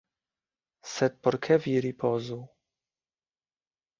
Sed por ke vi ripozu.